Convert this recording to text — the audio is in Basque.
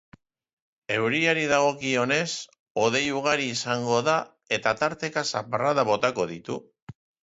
Euriari dagokionez, hodei ugari izango da eta tarteka zaparradak botako ditu.